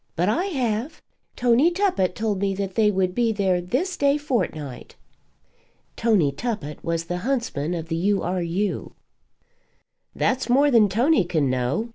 "But I have. Tony Tuppett told me that they would be there this day fortnight." Tony Tuppett was the huntsman of the U. R. U. "That's more than Tony can know.